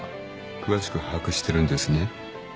詳しく把握してるんですね。